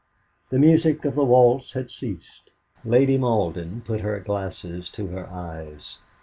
The music of the waltz had ceased. Lady Malden put her glasses to her eyes.